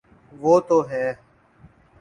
وہ تو ہیں۔